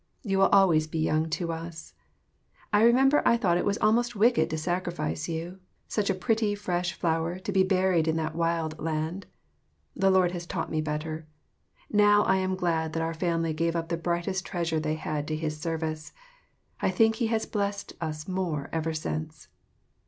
You will always be young to us. I remember I thought it was almost wicked to sacrifice you such a pretty, fresh flower, to be buried in that wild land. The Lord has taught me better. Now, I am glad that our family gave up the brightest treasure they had to his service. I think he has blest us more ever since.